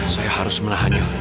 saya harus menahannya